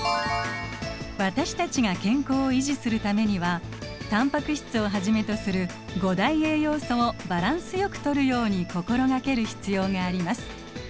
私たちが健康を維持するためにはタンパク質をはじめとする五大栄養素をバランスよくとるように心掛ける必要があります。